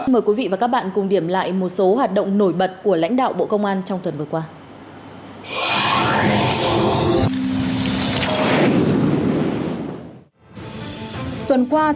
mời quý vị và các bạn cùng điểm lại một số hoạt động nổi bật của lãnh đạo bộ công an trong tuần vừa qua